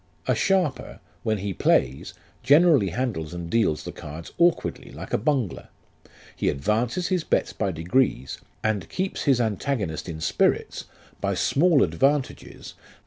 A sharper, when he plays, generally handles and deals the cards awkwardly like a bungler; he advances his bets by degrees, and keeps his antagonist in spirits by small advantages and 118 LIFE OF RICHARD NASH.